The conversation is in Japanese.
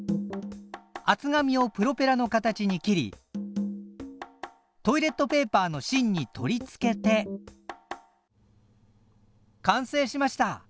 厚紙をプロペラの形に切りトイレットペーパーのしんに取り付けて完成しました！